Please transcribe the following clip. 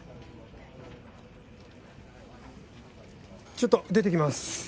ちょっと出てきます。